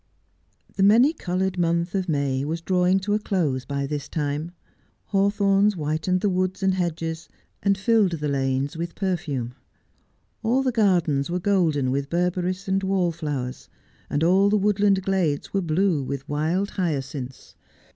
The many coloured month of May was drawing to a close by this time. Hawthorns whitened the woods and hedges, and filled the lanes with perfume. All the gardens were golden with beiberis and wallflowers, and all the woodland glades were blue with wild hyacinths.